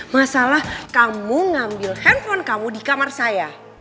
masalah kamu ngambil handphone kamu di kamar saya